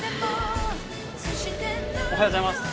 おはようございます。